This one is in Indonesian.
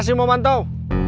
masih mau mantau